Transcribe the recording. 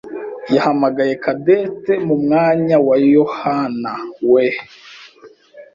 yahamagaye Cadette mu mwanya wa Yohanawe.